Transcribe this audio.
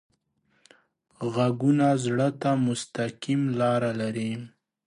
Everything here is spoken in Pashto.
غږونه زړه ته مستقیم لاره لري